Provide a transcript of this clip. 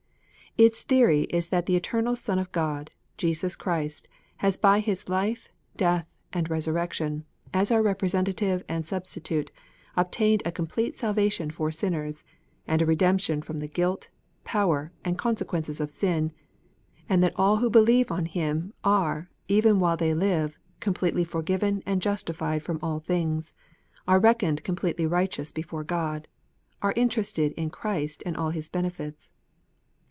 Its theory is that the eternal Son of God, Jesus Christ, has by His life, death, and resurrection, as our Representative and Substitute, obtained a complete salvation for sinners, and a redemption from the guilt, power, and consequences of sin, and that all who believe on Him are, even while they live, com pletely forgiven and justified from all things, are reckoned completely righteous before God, are interested in Christ and all His benefits.